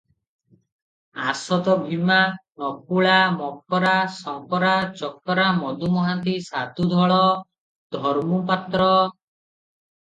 ଆସ ତ ଭୀମା, ନକୁଳା, ମକ୍ରା, ଶଙ୍କରା, ଚକ୍ରା, ମଧୁ ମହାନ୍ତି, ସାଧୁ ଧଳ, ଧର୍ମୁ ପାତ୍ର ।"